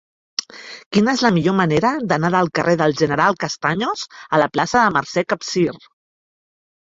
Quina és la millor manera d'anar del carrer del General Castaños a la plaça de Mercè Capsir?